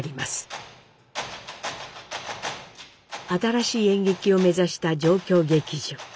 新しい演劇を目指した状況劇場。